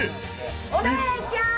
お姉ちゃん！